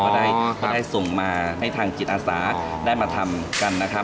ก็ได้ส่งมาให้ทางจิตอาสาได้มาทำกันนะครับ